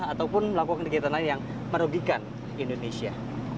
ataupun melakukan kegiatan lain yang merugikan indonesia